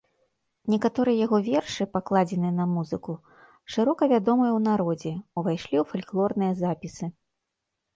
Некаторыя яго вершы, пакладзеныя на музыку, шырока вядомыя ў народзе, увайшлі ў фальклорныя запісы.